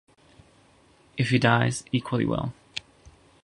If he dies, equally well.